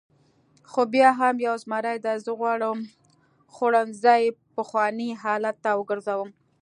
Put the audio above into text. خو بیا هم یو زمري دی، زه غواړم خوړنځای پخواني حالت ته وګرځوم.